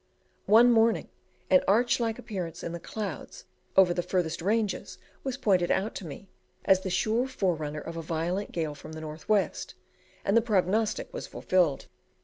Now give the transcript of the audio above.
One morning an arch like appearance in the clouds over the furthest ranges was pointed out to me as the sure forerunner of a violent gale from the north west, and the prognostic was fulfilled.